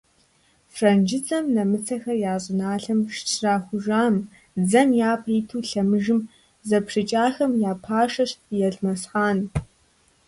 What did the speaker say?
Франджыдзэм нэмыцэхэр я щӀыналъэм щрахужам, дзэм япэ иту лъэмыжым зэпрыкӀахэм я пашащ Елмэсхъан.